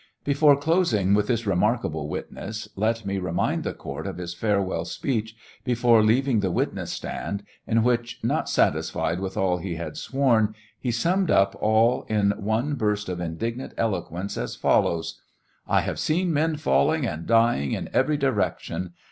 Before closing with this remarkable witness, let me remind the court of his farewell speech before leaving the witness stand, in which, not satisfied with all he had sworn, he summed up all in one burst of indignant eloq^uence, as follows : I have seen men falling and dying in every direction.